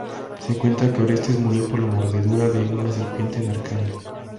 Se cuenta que Orestes murió por la mordedura de una serpiente en Arcadia.